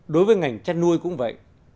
đối với ngành chất nuôi cũng vậy